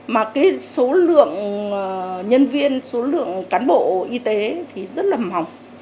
mà cái số lượng nhân viên số lượng cán bộ y tế thì rất là mỏng